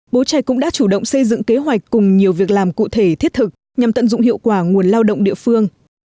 bố trẻ cũng đã chủ động xây dựng kế hoạch cùng nhiều việc làm cụ thể thiết thực nhằm tận dụng hiệu quả nguồn lao động địa phương